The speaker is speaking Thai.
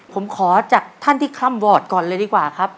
ผมขอจากท่านที่คล่ำวอร์ดก่อนเลยดีกว่าครับ